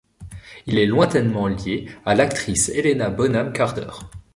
Il est lointainement lié à l'actrice Helena Bonham Carter.